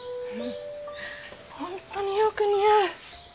本当によく似合う！